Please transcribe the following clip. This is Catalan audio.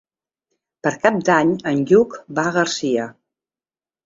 Per Cap d'Any en Lluc va a Garcia.